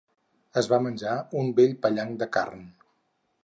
Es va menjar un bell pellanc de carn.